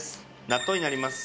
納豆になります。